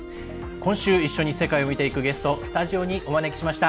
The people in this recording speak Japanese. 今週一緒に世界を見ていくゲストスタジオにお招きしました。